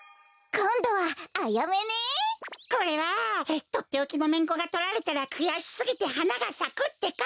これはとっておきのめんこがとられたらくやしすぎてはながさくってか！